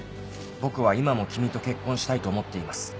僕は今も君と結婚したいと思っています。